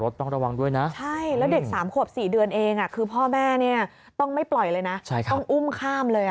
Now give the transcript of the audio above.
เด็กค่ะใช่แล้วเด็ก๓๔เดือนเองคือพ่อแม่ต้องไม่ปล่อยเลยต้องอุ้มข้ามเลย